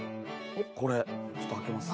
これちょっと開けます。